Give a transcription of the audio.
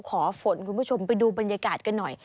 ฝนคุณผู้ชมไปดูบรรยากาศกันหน่อย